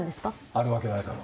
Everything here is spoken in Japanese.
あるわけないだろ。